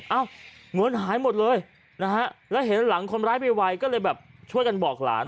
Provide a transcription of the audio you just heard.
เหมือนหายหมดเลยและเห็นหลังคนร้ายไปไว้ก็เลยช่วยกันบอกหลาน